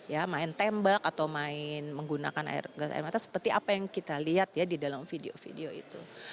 ya main tembak atau main menggunakan air gas air mata seperti apa yang kita lihat ya di dalam video video itu